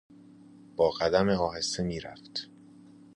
باقدم آهسته میرفت